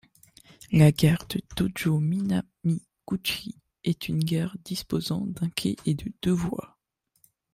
La gare de Dōjō-Minamiguchi est une gare disposant d'un quai et de deux voies.